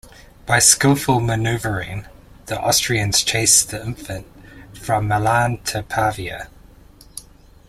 By skillful maneuvering, the Austrians chased The Infant from Milan to Pavia.